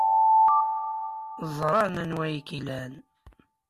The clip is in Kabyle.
Ẓran anwa ay k-ilan.